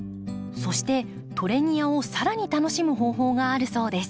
そしてトレニアを更に楽しむ方法があるそうです。